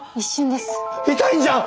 痛いんじゃん！